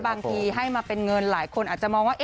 บางทีให้มาเป็นเงินหลายคนอาจจะมองว่า